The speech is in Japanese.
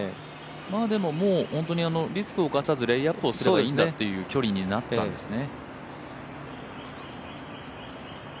まあでも本当にリスクを冒さずレイアップをすればいいんだという距離になったんですね。